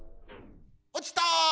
おちた。